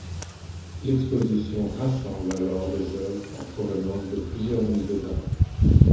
L'exposition rassemble alors des œuvres en provenance de plusieurs musées d'Inde.